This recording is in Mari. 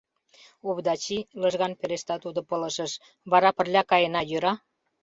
— Овдачи, — лыжган пелешта тудо пылышыш, — вара пырля каена, йӧра?